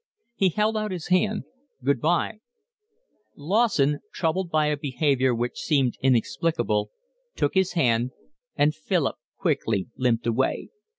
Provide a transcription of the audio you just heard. He held out his hand. "Good bye." Lawson, troubled by a behaviour which seemed inexplicable, took his hand, and Philip quickly limped away.